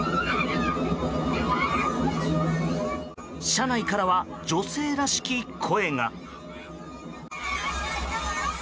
車内からは女性らしき声が。